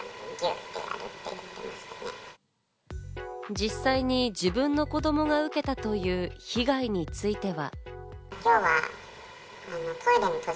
実際に自分の子供が受けたという被害については。